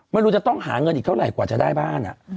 ไม่รู้จะต้องหาเงินอีกเท่าไหร่กว่าจะได้บ้าน